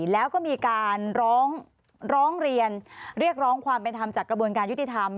แล้วก็มีการร้องเรียนเรียกร้องความเป็นธรรมจากกระบวนการยุติธรรม